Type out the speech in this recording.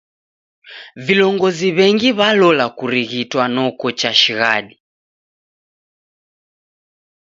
Vilongozi w'engi w'alola kurighitwa noko chashighadi.